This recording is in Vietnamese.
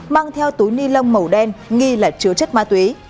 mang theo túi ni lông màu đen nghi là chứa chất ma túy